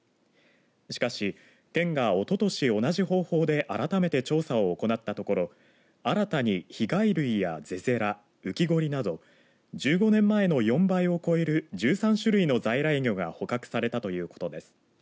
しかし、県がおととし同じ方法で改めて調査を行ったところ新たにヒガイ類やゼゼラウキゴリなど１５年前の４倍を超える１３種類の在来魚が捕獲されたということです。